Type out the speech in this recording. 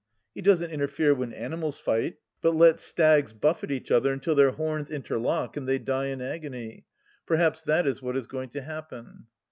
He doesn't interfere when animals fight, but lets stags buffet each other until their horns interlock and they die in agony. Perhaps that is what is going to happen